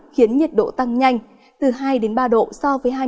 khiến nhiệt độ tăng nhanh từ hai ba độ so với hai mươi bốn h